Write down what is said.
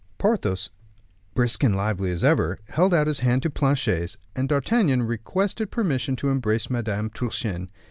Porthos, brisk and lively as ever, held out his hand to Planchet's, and D'Artagnan requested permission to embrace Madame Truchen.